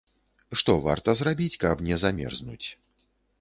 Што варта зрабіць, каб не замерзнуць.